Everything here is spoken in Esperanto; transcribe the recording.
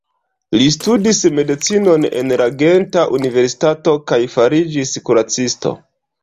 Li studis medicinon en la Genta Universitato kaj fariĝis kuracisto.